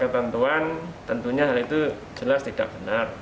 ketentuan tentunya hal itu jelas tidak benar